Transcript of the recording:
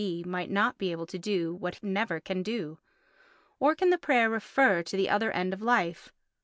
B. might not be able to do what he never can do. Or can the prayer refer to the other end of life?